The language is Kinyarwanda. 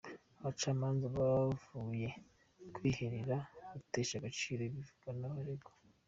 Abacamanza bavuye kwiherera batesha agaciro ibivugwa n’abaregwa